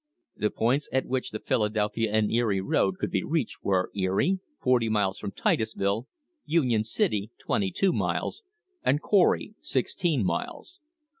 The points at which the Philadelphia and Erie road could be reached were Erie, forty miles from Titusville, Union City, twenty two miles, and Corry, sixteen miles.